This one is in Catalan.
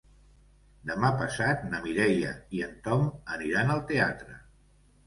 Demà passat na Mireia i en Tom aniran al teatre.